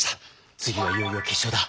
次はいよいよ決勝だ。